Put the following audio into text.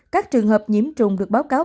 các trường hợp nhiễm trùng được báo cáo